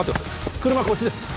車こっちです